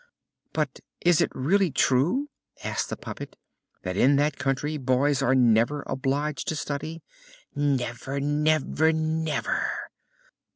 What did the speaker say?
"But is it really true," asked the puppet, "that in that country boys are never obliged to study?" "Never, never, never!"